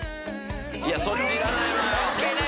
そっちいらない。